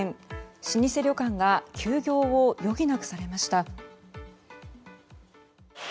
老舗旅館が休業を余儀なくされました。